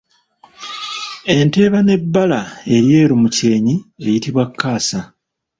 Ente eba n’ebbala eryeru mu kyenyi eyitibwa kaasa.